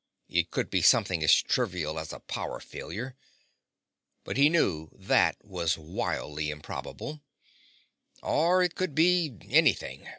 It could be something as trivial as a power failure—" but he knew that was wildly improbable—"or it could be—anything.